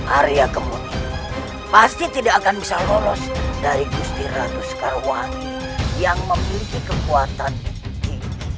arya kemungkinan pasti tidak akan bisa lolos dari gusti ratu skarwani yang memiliki kekuatan tinggi